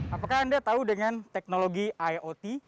apakah anda tahu dengan teknologi iot